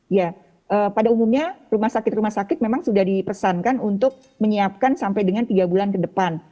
ya pada umumnya rumah sakit rumah sakit memang sudah dipesankan untuk menyiapkan sampai dengan tiga bulan ke depan